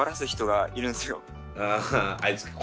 はい。